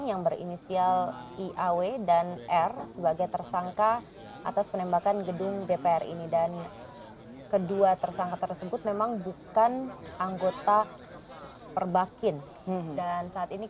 yang dilakukan ini